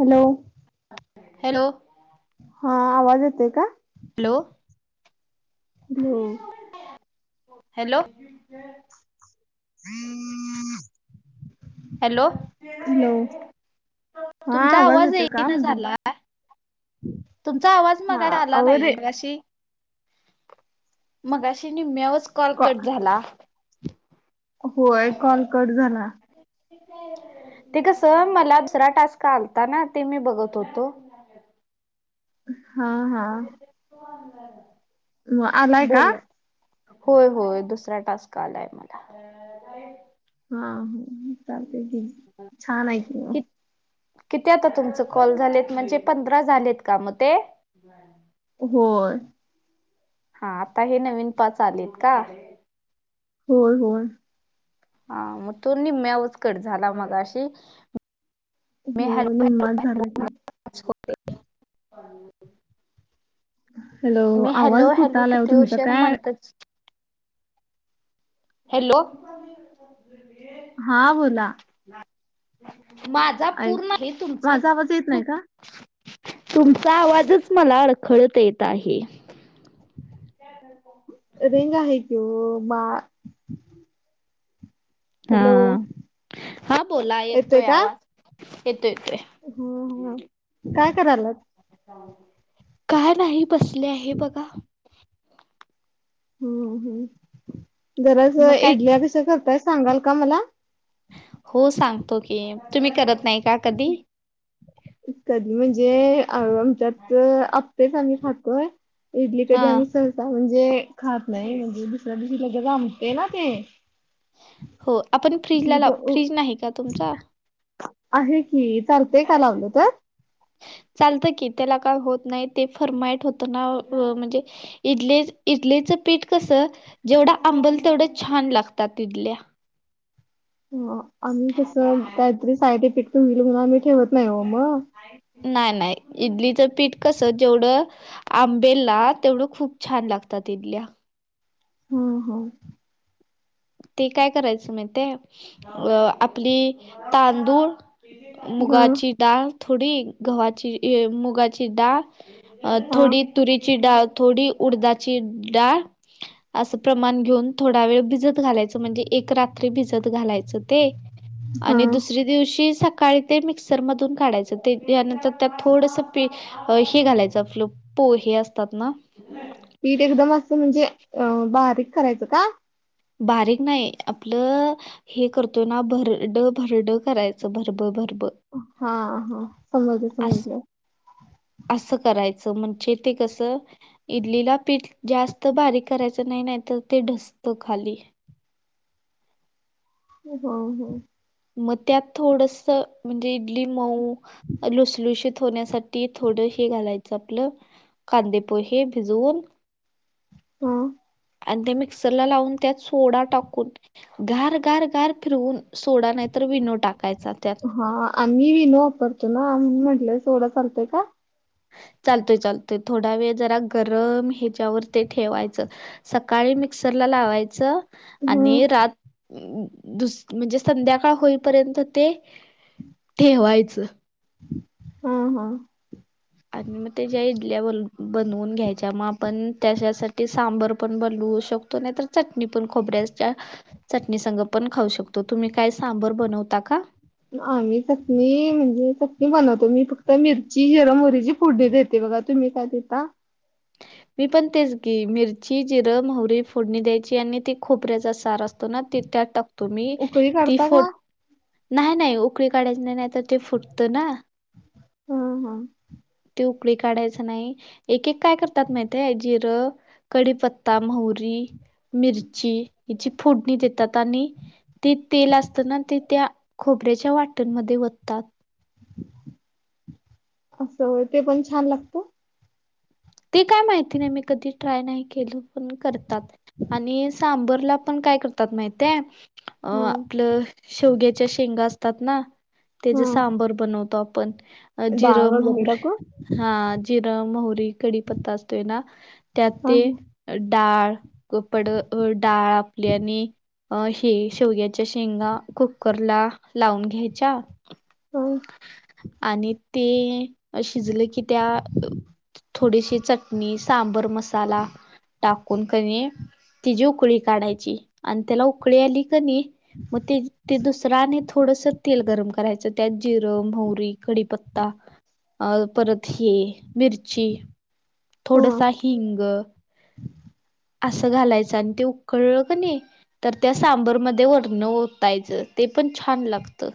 Hello hello हा आवाज येते का? हॅलो! हॅलो हॅलो हम् हॅलो हॅलो हा तुमचा आवाज येतोय येई का ना म्हटलं? झाला तुमचा आवाज हा मागा आला अव रे नाही अशी मगाशी निम्म्यावरच कॉल कॉ कट झाला होय कॉल कट झाला ते कस मला दुसरा टास्का आलता ना ते मी बघत होतो हा हा ते मग आलाय का? बोल होय होय दुसरा टास्क आलाय मला हा हा चाल ते त कि किती आता तुमच कॉल झालेत म्हणजे पंधरा झालेत का मग ते ब होय हा आता हे नवीन प चालेत का होर होर हा मग तो निम्म्या उचकट झाला मग अशी हो निम्मच झाला की ज करते हॅलो मी आवाज हॅलो हॅलो फुटालाय ओ किती तुमचा हुशर काय म्हणतच हॅलो हा बोला माझा पूर्ण ऐक आहे तुमचा माझा आवाज येत नाही का? तुमचा आवाजच मला अडखळत येत आहे रेंग आहे कि मा हा हॅलो हा बोला येतोय आवाज येतो येतोय हा हा काय कराला का नाही बसले आहे बघा हम्म हम् गरज मग काय इडल्या कस करताय सांगाल का मला हो सांगतो की तुम्ही करत नाही का कधी कधी म्हणजे त्यात आपेच आम्ही खकोय इडली कधी हा आम्ही सहसा म्हणजे खात नाही म्हणजे दुसऱ दुसला जामते ना ते हो आपण फ्रीजला ती ला ब- उ- फ्रीज नाही का तुमचा आहे की चालतेय का लावलं तर चालतं की त्याला काय होत नाही ते फरमाईट होतं ना म्हणजे इडले इडलीचं पीठ कस जेवढं आंबल तेवढं छान लागतात इडल्या आम्ही तसं त्यातरी साईड इफेक्ट होईल म्हणून आम्ही ठेवत नाही हो मग नाही नाही इडलीचं पीठ कस जेवढं आंबेला तेवढं खूप छान लागतात इडल्या हो हो ते काय करायचं माहितेय अ आपली तांदूळ हा मुगाची डाळ थोडी गव्हाची मुगाची डाळ अ हा थोडी तुरीची डाळ थोडी उडदाची डाळ असं प्रमाण घेऊन थोडा वेळ भिजत घालायच म्हणे एक रात्री भिजत घालायच ते हा आणि दुस दिवशी सकाळी ते मिक्सरमधून काढायचं ते यानंतर त्यात थोडंसं पी अ हे घालायचं आप्ल पो हे असतात ना पीठ एकदम असं म्हणजे अ बारीक करायचं का बारीक नाही आपलं हे करतो ना भरड भरड करायचं भरब भरब हा हा समजल अस समजल असं करायचं म्हणजे ते कसं इडलीला पीठ जास्त बारीक करायचं नाही नाही तर ते ढसत खाली हो हो मग त्यात थोडस म्हणजे इडली मऊ लुसलुसत होण्यासाठी ती थोड हे घालायचं आपलं कांदेपोहे हे भिजवून ह आणि त्या मिक्सर ला लावून त्यात सोडा टाकून घार घार घार फिरवून सोडा नाही तर विनो टाकायचा त्यात हा आम्ही विनो वापरतो ना म्हणून म्हटलंय सोडा चालतोय का चालतोय चालतोय थोडा वेळ जरा गरम ह्याच्यावर ते ठेवायचं सकाळी मिक्सरला लावायचं हम्म. आणि रात दुस म्हणजे संध्याकाळ होईपर्यंत ते ठेवायचं हम हा आणि मग त्याच्या इडल्या ब बनवून घ्यायच्या मग आपण त्याच्यासाठी सांबर पण बनवू शकतो तर चटणी पण खोबऱ्या च्या चटणीसंग पण खाऊ शकतो तुम्ही काय सांबर बनवता का? आम्ही चटणी म्हणजे चटणी बनवतो मी फक्त मिरची जिर मोहरीची फोडणी देते बघा तुम्ही काय देता? मी पण तेच घी मिरची जिरं मोहरी फोडणी द्यायची आणि ते खोबऱ्याचा सार असतो त त्यात टाकतो मी उकळी ती काढता फो, का? नाही नाही उकळी काढायची नाही तर ते फुटतं ना हा हा ते उकळी काढायच नाही एक एक काय करतात माहितेय जिरं कडीीपत्ता मोहरी मिरची हची फोडणी देतात आणि ते तेल असताना ते त्या खोबऱ्याच्या वाटणमध्ये ओततात असं हो ते पण छान लागतो ते काय माहिती नाही मी कधी ट्राय नाही केल पण करतात आणि सांबरला पण काय करतात माहितेय अ हा आपलं शेवग्याच्या शेंगा असतात ना ते हा जे सांबर बनवतो आपण अ डाळ जिरं वगैरे मोहरी टाकू? हा जिरं मोहरी पता असतोय ना त्यात हा ते डाळ कपड डाळ आपली आणि अ हे शेवयाच्या शेंगा कुकर ला लावून घ्यायच्या ह. आणि त शिजले की त्या थोडीशी चटणी, सांबर मसाला टाकून कणी तिची उकळी काढायची, आणि त्याला उकळी आली कणी म ते-ते दुसर दुसर आणि थोडसं तेल गरम करायचं, त्यात जिरं मोहरी कडीपत्ता अ परत हे मिरची हा. थोडसा हिंग. असं घालायचं, आणि ते उकळलं क नाही. तर त्या सांबरमध्ये वर्ण ओतायचं ते पण छान लागतं.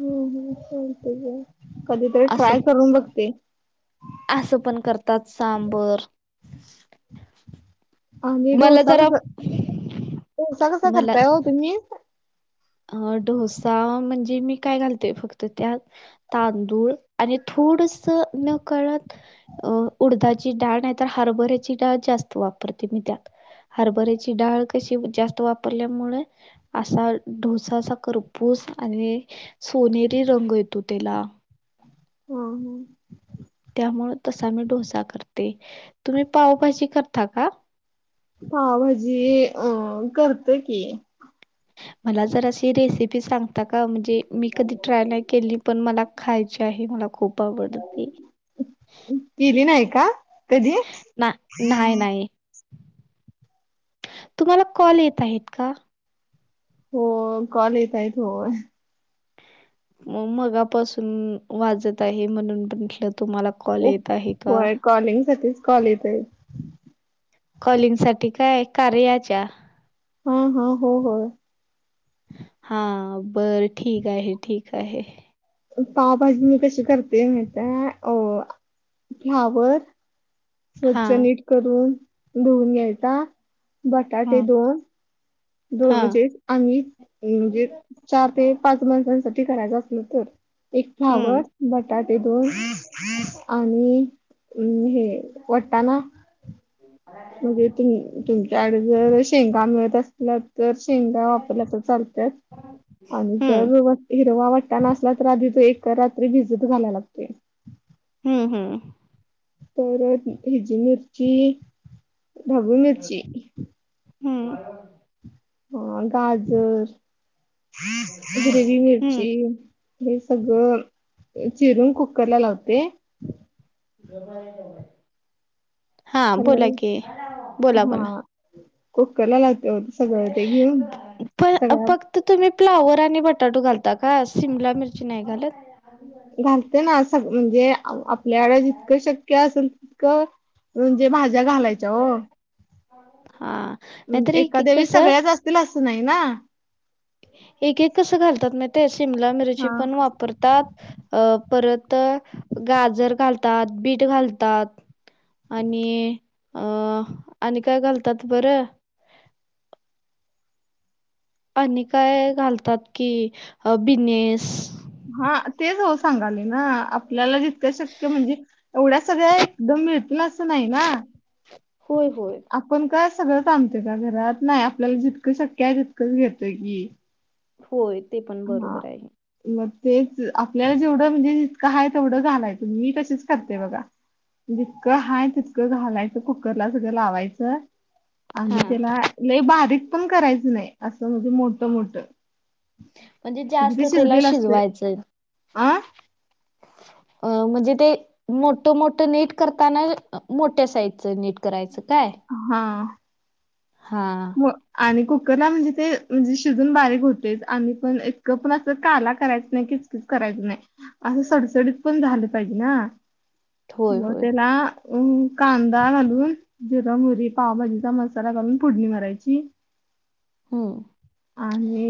ह कधीतरी असं ट्राय करून बघते. असं पण करतात सांबर आणि मला डोसा जरा कसा, डोसा कसा मला करताय हो तुम्ही? अ डोसा म्हणजे मी काय घालते फक्त त्यात तांदूळ आणि थोडस न कळत अ उडदाची डाळ नाही तर, हरभऱ्याची डाळ जास्त वापरते मी त्यात. हरबऱ्याची डाळ कशी जास्त वापरल्यामुळे असा भुसासा करपूस आणि सोनेरी रंग येतो, त्याला. ह ह. त्यामुळं तसा मी डोसा करते, तुम्ही पावभाजी करता का? पावभाजी अ करते की. मला जराशी रेसिपी सांग. आता का म्हणजे मी कधी ट्राय नाही केली, पण मला खायची आहे मला खूप आवडते. बोल की, केली नाही का कधी ना नाही नाही. तुम्हाला कॉल येत आहेत का? हो, कॉल येत आहेत होय. मग मगापासून वाजत आहे, म्हणून म्हटलं तुम्हाला कॉल येत आहे का? होय कॉलिंग साठीच कॉल येत आहे. कॉलिंग साठी काय कार्याच्या? हा हा हो हो. हा, बरं ठीक आहे ठीक आहे. पावभाजी मी कशी करते, माहित आहे फ्लावर हा स्वच्छ नीट करून धुवून घ्यायचा, हा बटाटे दोन दोन हा म्हणजे आम्ही, म्हणजे चार ते पाच माणसांसाठी करायचं असल तर. एक फ्लावर. हम्म बटाटे दोन आणि हे वटाणा. म्हणजे तुम -तुमच्याकडे जर शेंगा मिळत असल्या तर, शेंगा वापरल्या तर चालत्यात. आणि हम्म जर व-हिरवा वाटाणा असला तर, आधी ते एका रात्रीत भिजत घालायला लागतयं. ह ह. परत हिजी मिरची ढबू मिरची. हम्म, अ गाजर, हिरवी हम्म मिरची. हे सगळं चिरून कुकर ला लावते. [unintelligible] हा, हॅलो बोला कि बोला बोला. हा कुकरला लावते, ओ सगळ ते घेऊन सगळ्या तर तुम्ही फ्लावर आणि बटाटो घालता का, शिमला मिरची नाही घालत. घालते ना, स -म्हणजे आपल्याकड जितकं शक्य असेल असलं तितकं म्हणजे भाज्या घालायच्या ओ. हा. अ नाहीतर एक एक एखाद्या वेळी कसं सगळ्याच असतील असं नाही ना. एक एक कसं घालतात, माहिते शिमला मिरची हा पण वापरतात. अ परत गाजर घालतात, बीट घालतात. आणि अ आणि काय घालतात बरं? आणि काय घालतात की बिनेस. हा, तेच ओ सांगालोय ना आपल्याला जितक शक्य म्हणजे एवढ्या सगळ्या एकदम मिळतील, असं नाही ना. होय होय. आपण काय सगळंच आणतोय काय घरात नाही, आपल्याला जितकं शक्य आहे तितकंच घेतोय की. होय, ते पण हा बरोबर आहे. मग तेच आपल्याला जेवढं म्हणजे जितकं आहे तेवढं घालायचं, मी कशीच करते बघा. जितकं हाय तितकं घालायचं, कुकरला सगळं लावायचं. आणि हा त्याला लय बारीक पण, करायचं नाही असं म्हणजे मोठ मोठ. म्हणजे जास्त तेला असते शिजवायचंय आ अ म्हणजे ते मोठ मोठ नीट करताना मोठ्या साईजच नीट करायचं काय. हा. हा. म आणि कुकरला म्हणजे ते म्हणजे शिजून बारीक होतचं, आणि पण इतकं पण असं काला करायचं नाही की च किचं करायचं नाही, असं सडसडीत पण झालं पाहिजे ना होय मग होय त्याला अ कांदा घालून जिरं, मोहरी पावभाजीचा मसाला घालून फोडणी मारायची. हम्म आणि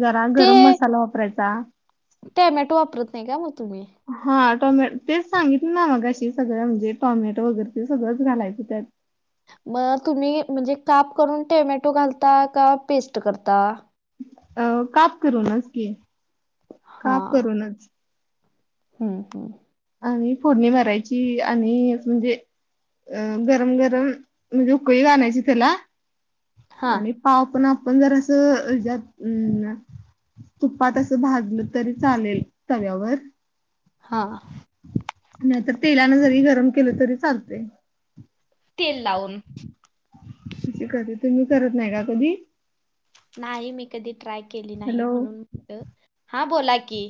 जरा गरम मसाला वापरायचा. टोमॅटो वापरत नाही, काय मग तुम्ही? हा, टॉमॅट तेच सांगितलं ना मग अशी सगळं म्हणजे टॉमॅट वगैरे ते सगळंच घालायचं त्यात. मग तुम्ही म्हणजे काप करून टोमॅटो घालता का, पेस्ट करता? अ काप करूनच की, हा काप करूनचं. हम्म हम्म, आणि फोडणी मारायची आणि म्हणजे अ गरम गरम म्हणजे उकळी घालायची, त्याला हा आणि पाव पण आपण जरासं हेज्यात अम तुपात असं भाजलं तरी, चालेल तव्यावर. हा. नाही तर तेलान जरी गरम केलं तरी चालतय. तेल लावून. म्हणजे तुम्ही कधी करत नाही का, कधी? नाही मी कधी ट्राय केली नाही, हॅलो म्हणून म्हटलं हा बोला की.